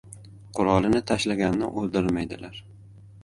• Qurolini tashlaganni o‘ldirmaydilar.